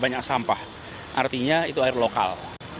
banyak sampah artinya itu air lokal